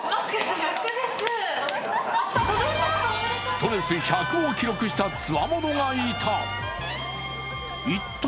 ストレス１００を記録したつわものがいた。